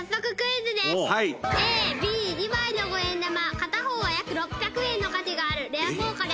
ＡＢ２枚の五円玉片方は約６００円の価値があるレア硬貨です。